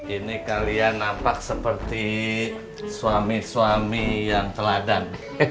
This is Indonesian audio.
ini kalian nampak seperti suami suami yang teladan